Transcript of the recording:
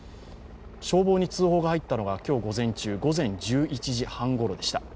消防に通報が入ったのが今日午前１１時半頃でした。